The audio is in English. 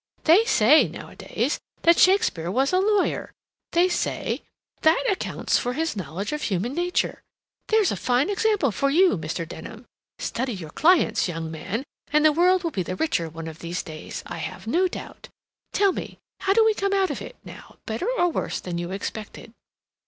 "They say, nowadays, that Shakespeare was a lawyer. They say, that accounts for his knowledge of human nature. There's a fine example for you, Mr. Denham. Study your clients, young man, and the world will be the richer one of these days, I have no doubt. Tell me, how do we come out of it, now; better or worse than you expected?"